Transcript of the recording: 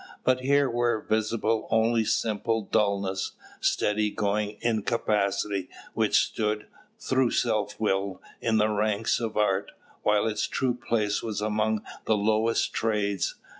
But here were visible only simple dullness, steady going incapacity, which stood, through self will, in the ranks of art, while its true place was among the lowest trades.